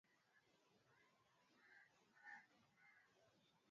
Kinachotumiwa na asilimia sabini ya wananchi wote